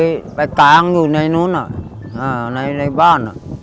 ก็ไปกางอยู่ในนั้นอ่ะในบ้านอะ